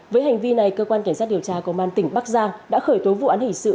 với hành vi này cơ quan cảnh sát điều tra công an tỉnh bắc giang đã khởi tố vụ án hình sự